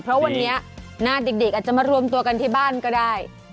เพราะวันนี้หน้าเด็กอาจจะมารวมตัวกันที่บ้านก็ได้